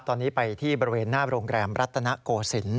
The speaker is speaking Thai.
ตอนนี้ไปที่บริเวณหน้าโรงแรมรัตนโกศิลป